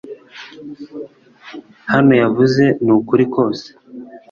Hano yavuze ni ukuri kose